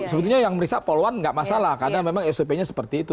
sebetulnya yang merisa poluan nggak masalah karena memang sop nya seperti itu